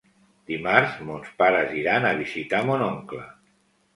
Dimarts mons pares iran a visitar mon oncle.